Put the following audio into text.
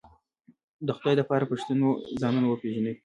د خدای د پاره پښتنو ځانونه وپېژنئ